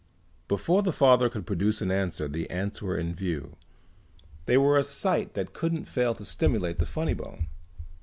Before the father could produce an answer the ants were in view. They were a sight that couldn't fail to stimulate the funny bone.